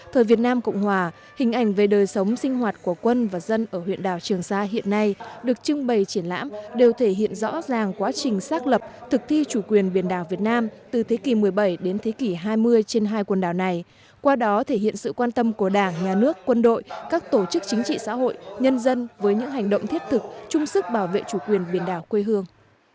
tổ quốc ở huyện đảo trường sa hiện nay được trưng bày triển lãm đều thể hiện rõ ràng quá trình xác lập thực thi chủ quyền biển đảo việt nam từ thế kỷ một mươi bảy đến thế kỷ hai mươi trên hai quần đảo này qua đó thể hiện sự quan tâm của đảng nhà nước quân đội các tổ chức chính trị xã hội nhân dân với những hành động thiết thực chung sức bảo vệ chủ quyền biển đảo quê hương